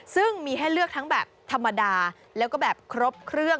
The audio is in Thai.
ซึ่งมีให้เลือกทั้งแบบธรรมดาแล้วก็แบบครบเครื่อง